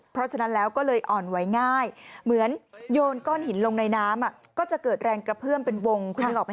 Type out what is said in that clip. เพราะฉะนั้นแล้วก็เลยอ่อนไหวง่ายเหมือนโยนก้อนหินลงในน้ำก็จะเกิดแรงกระเพื่อมเป็นวงคุณนึกออกไหม